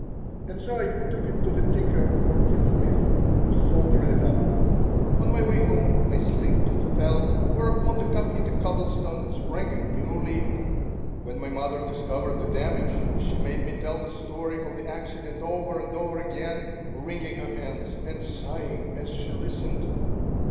And so I took it to the tinker, or tinsmith, who soldered it up. On my way home I slipped and fell, whereupon the cup hit a cobblestone and sprang a new leak. When my mother discovered the damage she made me tell the story of the accident over and over again, wringing her hands and sighing as she listened.